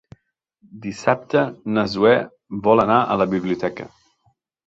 Dissabte na Zoè vol anar a la biblioteca.